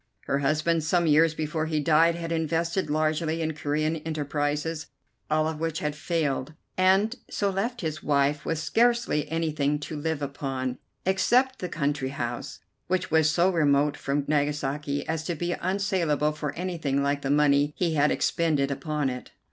Her husband, some years before he died, had invested largely in Corean enterprises, all of which had failed, and so left his wife with scarcely anything to live upon except the country house, which was so remote from Nagasaki as to be unsalable for anything like the money he had expended upon it.